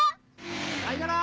さいなら！